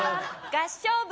「合唱部」。